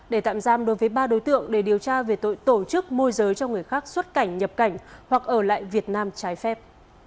để tạm giam đối với ba đối tượng để điều tra về tội tổ chức môi giới cho người khác xuất cảnh nhập cảnh hoặc ở lại việt nam trái phép